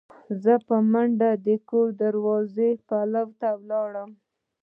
زه په منډه د کور د دروازې پلو ته لاړم.